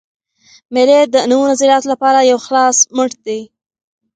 مېلې د نوو نظریاتو له پاره یو خلاص مټ دئ.